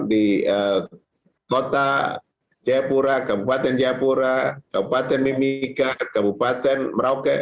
di kota jaya pura kabupaten jaya pura kabupaten mimika kabupaten merauke